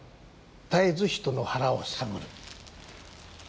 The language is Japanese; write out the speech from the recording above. たえず人の腹を探る。